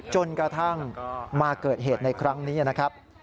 จนกระทั่งมาเกิดเหตุในครั้งนี้นะครับ